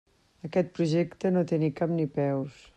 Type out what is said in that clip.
Aquest projecte no té ni cap ni peus.